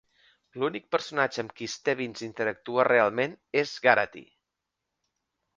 L'únic personatge amb qui Stebbins interactua realment és Garraty.